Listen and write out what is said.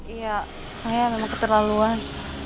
iya saya memang keterlaluan